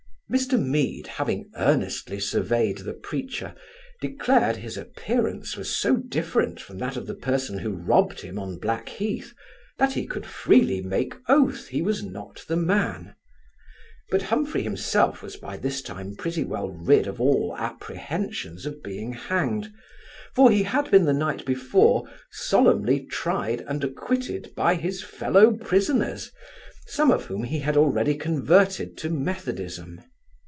Mr Mead, having earnestly surveyed the preacher, declared his appearance was so different from that of the person who robbed him on Black heath, that he could freely make oath he was not the man: but Humphry himself was by this time pretty well rid of all apprehensions of being hanged; for he had been the night before solemnly tried and acquitted by his fellow prisoners, some of whom he had already converted to methodism.